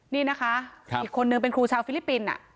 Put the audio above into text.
นี่นะคะอีกคนนึงเป็นครูชาวฟิลิปปินส์